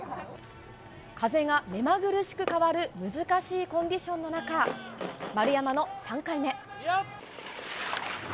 風が目まぐるしく変わる難しいコンディションの中、丸山の３回目。